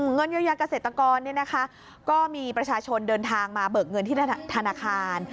เงินเยียวยาเกษตรกรก็มีประชาชนเดินทางมาเบิกเงินที่ธนาคาร